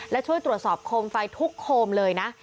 และช่วยตรวจสอบโคมไฟทุกโคมเลยนะ